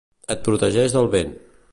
Et protegeix del vent.